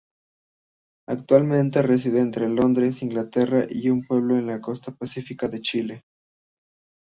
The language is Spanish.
Actualmente reside entre Londres, Inglaterra y un pueblo de la costa pacífica en Chile.